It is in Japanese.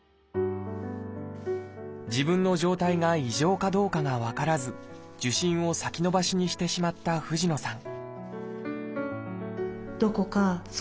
自分の状態が異常かどうかが分からず受診を先延ばしにしてしまった藤野さん